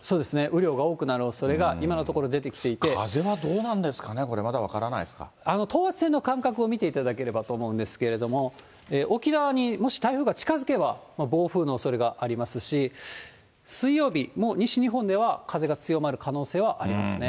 雨量が多くなるおそれが、今のところ、出てきて風はどうなんですかね、これ、等圧線の間隔を見ていただければと思うんですけれども、沖縄にもし台風が近づけば、暴風のおそれがありますし、水曜日、もう西日本では風が強まる可能性はありますね。